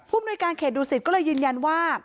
มนุยการเขตดูสิตก็เลยยืนยันว่า